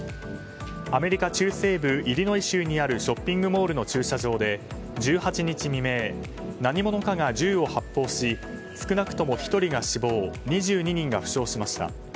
アメリカ中西部イリノイ州にあるショッピングモールの駐車場で１８日未明、何者かが銃を発砲し少なくとも１人が死亡２２人が負傷しました。